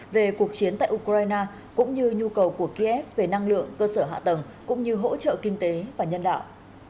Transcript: về cuộc chiến tại ukraine cũng như nhu cầu của kiev về năng lượng cơ sở hạ tầng cũng như hỗ trợ kinh tế và nhân đạo